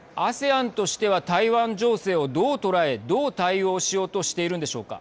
ＡＳＥＡＮとしては台湾情勢をどう捉え、どう対応しようとしているんでしょうか。